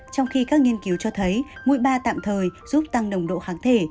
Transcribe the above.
trong khi các nghiên cứu cho thấy mũi ba tạm thời giúp tăng nồng độ kháng thể